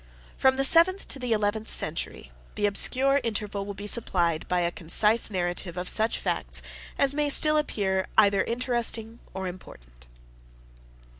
From the seventh to the eleventh century, the obscure interval will be supplied by a concise narrative of such facts as may still appear either interesting or important.